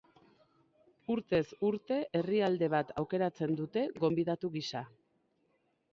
Urtez urte, herrialde bat aukeratzen dute gonbidatu gisa.